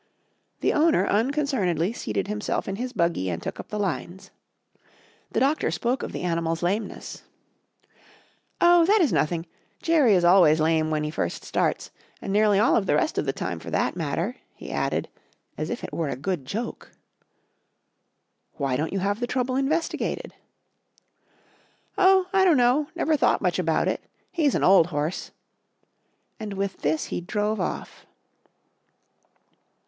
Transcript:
The owner unconcernedly seated himself in his buggy and took up the lines. The doctor spoke of the animal's lameness. "Oh, that is nothing, Jerry is always lame when he first starts, and nearly all the rest of the time, for that matter," he added, as if it were a good joke. "Why don't you have the trouble investigated?" "Oh, I don't know; never thought much about it; he's an old horse," and with this he drove off.